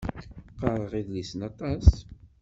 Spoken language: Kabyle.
Qqareɣ idlisen aṭas.